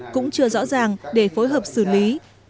cũng chưa rõ ràng để phối hợp xử lý